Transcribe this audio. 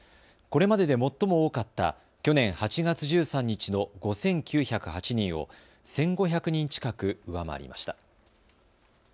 これまでで最も多かった去年８月１３日の５９０８人を１５００人近く上回りました。